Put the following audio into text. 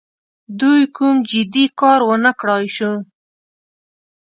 دوی کوم جدي کار ونه کړای سو.